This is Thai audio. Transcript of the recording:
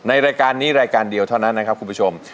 รายการนี้รายการเดียวเท่านั้นนะครับคุณผู้ชม